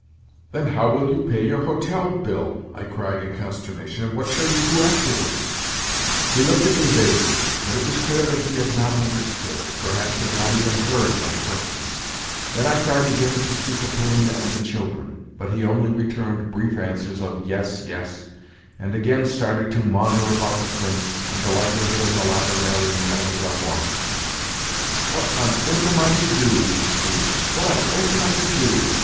"Then how will you pay your hotel bill?" I cried in consternation. "And what shall you do afterwards?" He looked at me vaguely, but it was clear that he had not understood—perhaps had not even heard—my questions. Then I tried to get him to speak of Polina and the children, but he only returned brief answers of "Yes, yes," and again started to maunder about the Prince, and the likelihood of the latter marrying Mlle. Blanche. "What on earth am I to do?" he concluded. "What on earth am I to do?